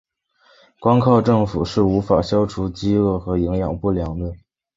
光靠政府是无法消除饥饿和营养不良的。